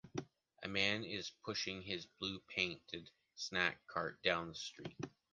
A man is pushing his blue-painted snack cart down the street.